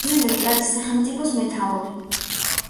პრეზიდენტი არის სახელმწიფოს მეთაური.